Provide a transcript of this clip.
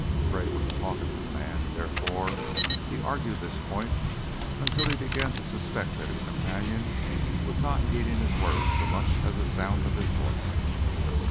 Gray was a talkative man, therefore he argued this point until he began to suspect that his companion was not heeding his words so much as the sound of his voice.